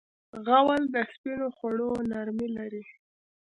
غول د سپینو خوړو نرمي لري.